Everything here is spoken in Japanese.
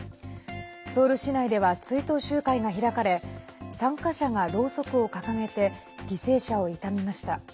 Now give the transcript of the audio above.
ソウル市内では追悼集会が開かれ参加者が、ろうそくを掲げて犠牲者を悼みました。